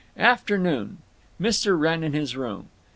Afternoon; Mr. Wrenn in his room.